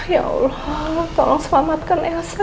ya allah tolong selamatkan elsa ya